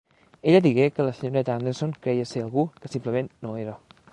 Ella digué que la senyoreta Anderson creia ser algú que simplement no era.